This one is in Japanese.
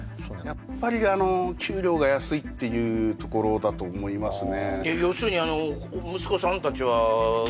やっぱりあの給料が安いっていうところだと思いますね